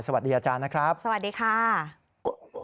สวัสดีอาจารย์นะครับสวัสดีค่ะ